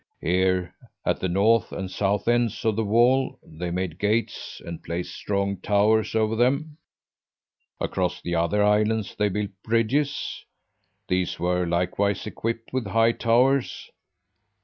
Here, at the north and south ends of the wall, they made gates and placed strong towers over them. Across the other islands they built bridges; these were likewise equipped with high towers.